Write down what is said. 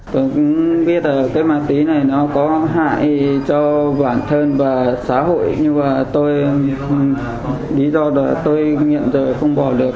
tôi cũng biết là cái ma túy này nó có hại cho bản thân và xã hội nhưng mà tôi lý do là tôi nghiện rồi không bỏ được